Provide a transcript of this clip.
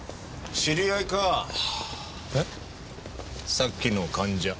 さっきの患者。